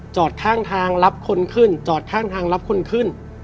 จอดข้างทางรับคนขึ้นจอดข้างทางรับคนขึ้น